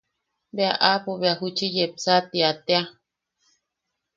Bea aapo bea juchi yepsa tia tea.